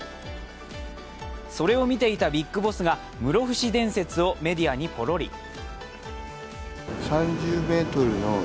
それを見ていたビッグボスが、室伏伝説をメディアにポロリ。